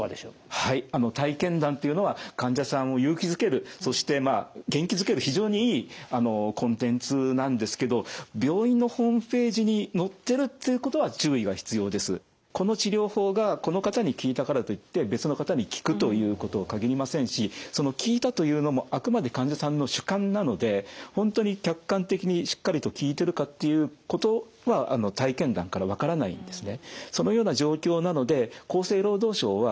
はいあの体験談というのは患者さんを勇気づけるそしてまあ元気づける非常にいいコンテンツなんですけどこの治療法がこの方に効いたからといって別の方に効くということは限りませんしその「効いた」というのもあくまで患者さんの主観なので本当に客観的にしっかりと効いてるかっていうことは体験談から分からないんですね。